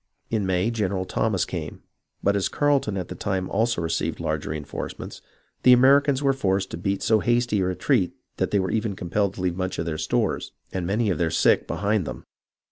In May, General Thomas came, but as Carleton at the time also received large reenforcements, the Americans were forced to beat so hasty a retreat that they were even compelled to leave much of their stores and many of their sick behind them.